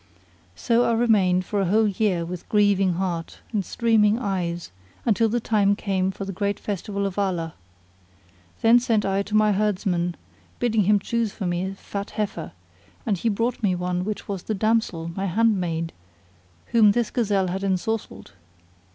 So I remained for a whole year with grieving heart, and streaming eyes until the time came for the Great Festival of Allah.[FN#47] Then sent I to my herdsman bidding him choose for me a fat heifer; and he brought me one which was the damsel, my handmaid, whom this gazelle had ensorcelled.